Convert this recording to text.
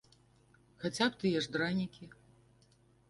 Хаця б тыя ж дранікі.